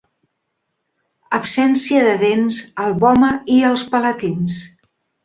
Absència de dents al vòmer i els palatins.